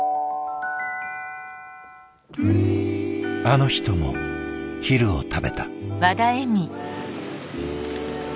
あの人も昼を食べた。